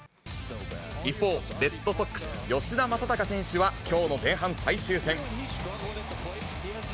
一方、レッドソックス、吉田正尚選手はきょうの前半最終戦。